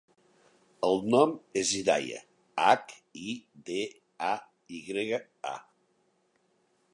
El nom és Hidaya: hac, i, de, a, i grega, a.